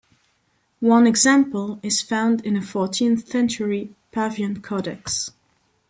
One example is found in a fourteenth-century Pavian codex.